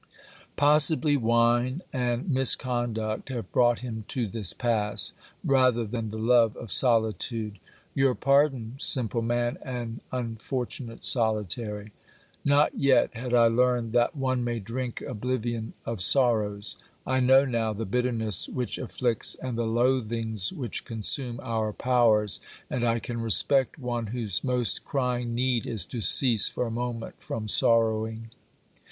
Possibly wine and misconduct have brought him to this pass, rather than the love of solitude. Your pardon, simple man and unfortunate solitary ! Not yet had I learned that one may drink oblivion of sorrows. I know now the bitterness which afflicts and the loathings which consume our powers, and I can respect one whose most crying need is to cease for a moment from sorrowing.